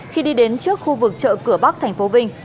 khi đi đến trước khu vực chợ cửa bắc tp vinh